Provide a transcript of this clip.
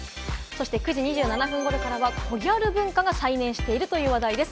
９時２７分頃からはコギャル文化が再燃している話題です。